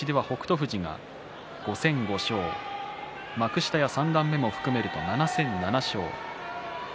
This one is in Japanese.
富士が５戦５勝幕下、三段目も含めると７戦７勝。